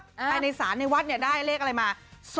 ภายในศาลในวัดได้เลขอะไรมา